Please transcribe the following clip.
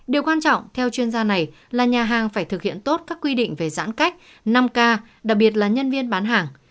điều quan trọng theo chuyên gia này là nhà hàng phải thực hiện tốt các quy định về giãn cách năm k đặc biệt là nhân viên bán hàng